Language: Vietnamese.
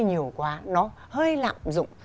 nhiều quá nó hơi lạm dụng